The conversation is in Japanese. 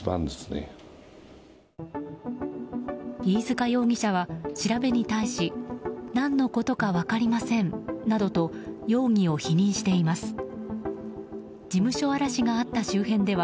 飯塚容疑者は、調べに対し何のことか分かりませんなどと容疑を否認しています。